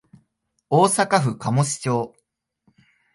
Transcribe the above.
大阪府岬町